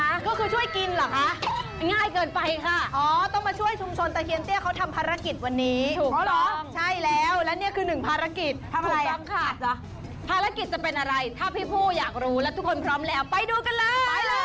ว่าวันนี้จะเป็นอะไรถ้าพี่ผู้อยากรู้แล้วทุกคนพร้อมแล้วไปดูกันเลย